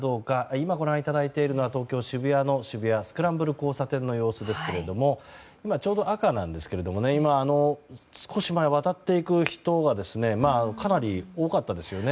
今、ご覧いただいているのは東京・渋谷の渋谷スクランブル交差点の様子ですがちょうど赤信号なんですけども少し前、渡っていく人がかなり多かったんですよね。